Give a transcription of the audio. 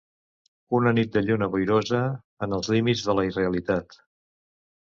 Una nit de lluna boirosa, en els límits de la irrealitat.